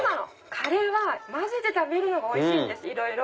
カレーは混ぜて食べるのがおいしいんですいろいろ。